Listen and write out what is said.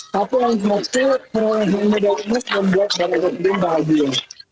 tapi langsung aku perangai medali emas dan buat saya lebih bahagia